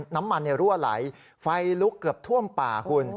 น้ำมันรั่วไหลไฟลุกเกือบท่วมป่าคุณ